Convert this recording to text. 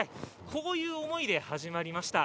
こういう思いで始まりました。